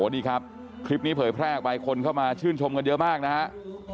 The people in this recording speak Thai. นี่ครับคลิปนี้เผยแพร่ออกไปคนเข้ามาชื่นชมกันเยอะมากนะครับ